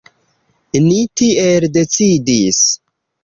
Ni tiel decidis.